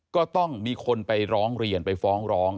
ก็ต้องมีคนไปร้องเรียนไปฟ้องร้อง